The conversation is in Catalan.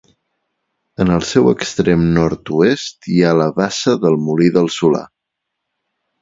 En el seu extrem nord-oest hi ha la bassa del Molí del Solà.